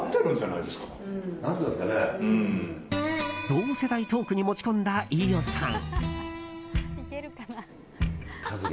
同世代トークに持ち込んだ飯尾さん。